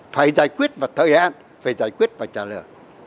phải giải quyết vào thời hạn phải giải quyết và trả lời